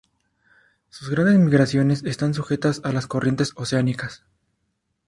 Sus grandes migraciones están sujetas a las corrientes oceánicas.